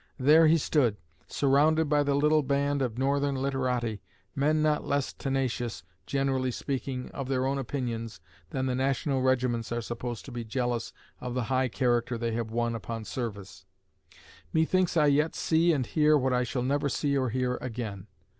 There he stood, surrounded by the little band of northern literati, men not less tenacious, generally speaking, of their own opinions, than the national regiments are supposed to be jealous of the high character they have won upon service. Methinks I yet see and hear what I shall never see or hear again.